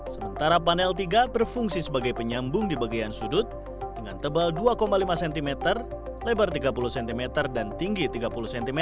sementara panel tiga berfungsi sebagai penyambung di bagian sudut dengan tebal dua lima cm lebar tiga puluh cm dan tinggi tiga puluh cm